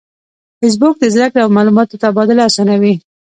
فېسبوک د زده کړې او معلوماتو تبادله آسانوي